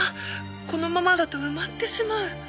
「このままだと埋まってしまう」